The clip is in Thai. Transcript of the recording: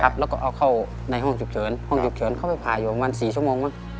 ครับแล้วก็เอาเข้าในห้องจิบเฉินห้องจิบเฉินเข้าไปผ่าอยู่ประมาณ๔ชั่วโมง